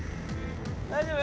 大丈夫？